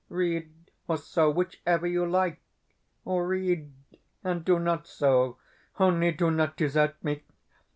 Read or sew, whichever you like or read and do not sew. Only, do not desert me.